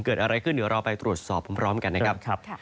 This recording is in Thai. เกิดอะไรขึ้นเดี๋ยวเราไปตรวจสอบพร้อมกันนะครับ